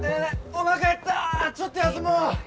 おなか減ったちょっと休もう。